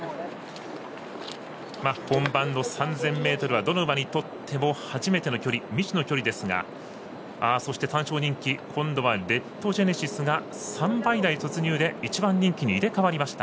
本番の３０００ｍはどの馬にとっても初めての距離、未知の距離ですがそして、単勝人気レッドジェネシスが３倍台突入で１番人気入れ代わりました。